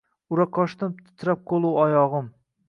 Ura qochdim, titrab qo’lu oyog’im